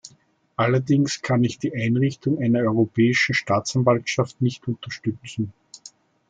Allerdings kann ich die Einrichtung einer europäischen Staatsanwaltschaft nicht unterstützen.